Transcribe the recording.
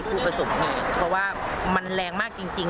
คุณผู้ชมเห็นเพราะว่ามันแรงมากจริง